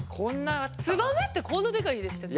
ツバメってこんなでかいんでしたっけ？